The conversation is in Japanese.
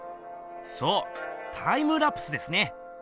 そうタイムラプスですね！